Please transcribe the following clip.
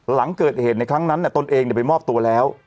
หลังเกิดเหตุในครั้งนั้นตนเองไปมอบตัวแล้ว